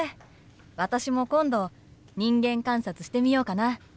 私も今度人間観察してみようかな。